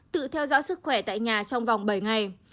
tự theo dõi sức khỏe tại nhà trong vòng bảy ngày